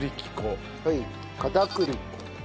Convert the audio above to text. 片栗粉。